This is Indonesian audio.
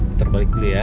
udah balik dulu ya